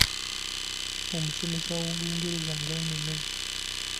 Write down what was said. Omusomesa w’Olungereza ng’anyumye!